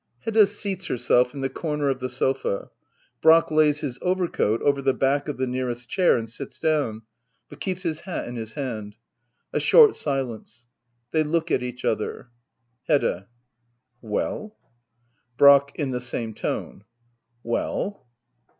Hedda seats herself in the comer of the sofa. Brack lai^s his overcoat over the back of the nearest chair, and sits donm, hut keeps his hai in his hand. A short silence. They look at each other, Hedda. WeU? Brack. [In the same tone.'] Well?